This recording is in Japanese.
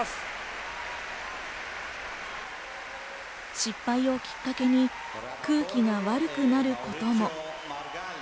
失敗をきっかけに空気が悪くなることも。